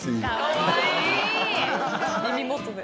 耳元で。